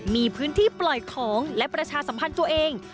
มีพื้นที่ปล่อยของและประชาสัมพันธ์ตัวเอง